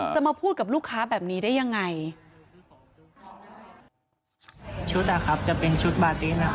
จะมาพูดกับลูกค้าแบบนี้ได้ยังไง